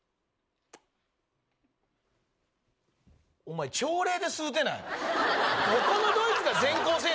お前、朝礼で吸うてない？